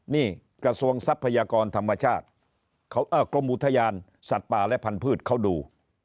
นี่กระทรวงทรัพยากรธรรมชาติกรมอุทยานสัตว์ป่าและพันธุ์เขาดู